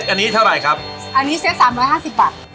อันนี้เท่าไหร่ครับอันนี้เซ็ต๓๕๐บาท